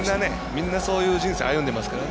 みんな、そういう人生歩んでますから。